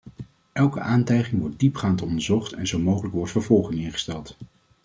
Elke aantijging wordt diepgaand onderzocht en zo mogelijk wordt vervolging ingesteld.